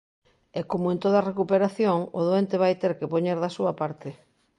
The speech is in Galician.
E como en toda recuperación, o doente vai ter que poñer da súa parte.